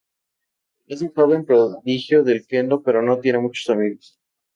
Es un joven prodigio del kendo pero no tiene muchos amigos.